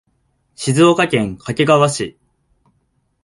静岡県掛川市